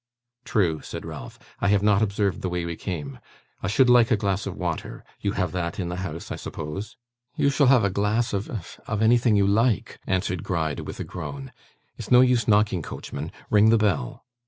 'True,' said Ralph 'I have not observed the way we came. I should like a glass of water. You have that in the house, I suppose?' 'You shall have a glass of of anything you like,' answered Gride, with a groan. 'It's no use knocking, coachman. Ring the bell!